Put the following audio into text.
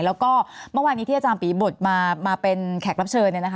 เพราะเมื่อวันนี้ที่อปีบทมาเป็นแขกรับเชิญ